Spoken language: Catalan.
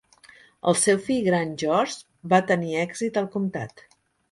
El seu fill gran George va tenir èxit al comtat.